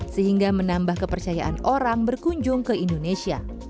sehingga menambah kepercayaan orang berkunjung ke indonesia